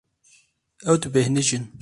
Ew dibêhnijin.